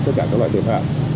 tất cả các loại tội phạm